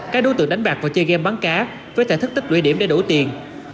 các đối tượng đánh bạc và chơi game bắn cá với thể thức tích địa điểm để đổi tiền